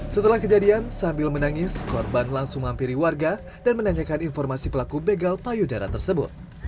setelah kejadian sambil menangis korban langsung mampiri warga dan menanyakan informasi pelaku begal payudara tersebut